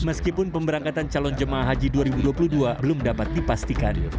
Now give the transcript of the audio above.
meskipun pemberangkatan calon jemaah haji dua ribu dua puluh dua belum dapat dipastikan